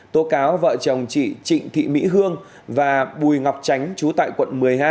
tố cáo vợ chồng chị trịnh thị mỹ hương và bùi ngọc tránh trú tại quận một mươi hai